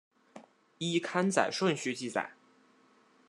依刊载顺序记载。